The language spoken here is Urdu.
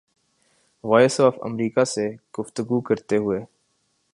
وائس آف امریکہ سے گفتگو کرتے ہوئے